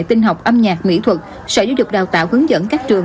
tinh học âm nhạc mỹ thuật sở giáo dục đào tạo hướng dẫn các trường